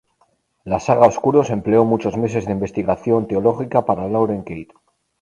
La saga Oscuros empleo muchos meses de investigación teológica para Lauren Kate.